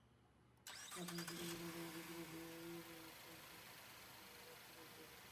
আঠারো শতকের মাঝামাঝি কোনো সময়ে ইংরেজি ভাষায় শ্যাম্পু শব্দটির ব্যবহার শুরু হয়।